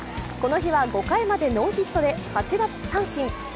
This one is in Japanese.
この日は５回までノーヒットで８奪三振。